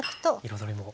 彩りも。